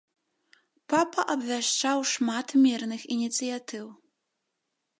Папа абвяшчаў шмат мірных ініцыятыў.